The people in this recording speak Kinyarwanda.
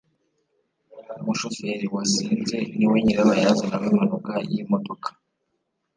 Umushoferi wasinze ni we nyirabayazana w'impanuka y'imodoka.